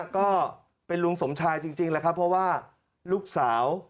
ก็เป็นลุงสมชายจริงเพราะว่าลูกสาว